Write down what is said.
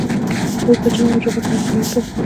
اوس د جرم او جزا په اړه خبرې کوو.